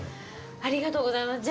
ありがとうございます。